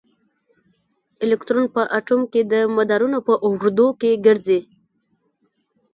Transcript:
الکترون په اټوم کې د مدارونو په اوږدو کې ګرځي.